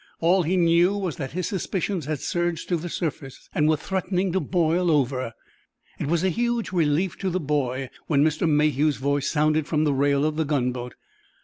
All he knew was that his suspicions had surged to the surface, and were threatening to boil over. It was a huge relief to the boy when Mr. Mayhew's voice sounded from the rail of the gunboat.